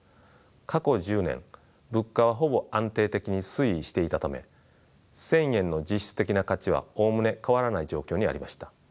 過去１０年物価はほぼ安定的に推移していたため１，０００円の実質的な価値はおおむね変わらない状況にありました。